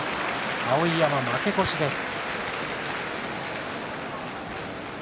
碧山、負け越しです。